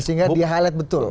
sehingga di highlight betul